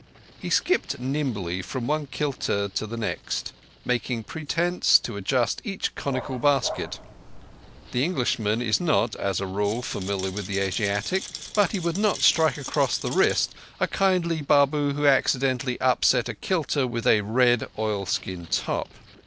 He skipped nimbly from one kilta to the next, making pretence to adjust each conical basket. The Englishman is not, as a rule, familiar with the Asiatic, but he would not strike across the wrist a kindly Babu who had accidentally upset a kilta with a red oilskin top.